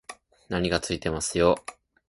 何かついてますよ